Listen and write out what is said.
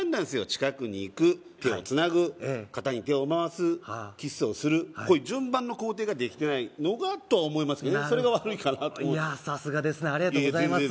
近くに行く手をつなぐ肩に手を回すキスをするこういう順番の工程ができてないのがとは思いますけどそれが悪いかなとなるほどいやさすがですねありがとうございます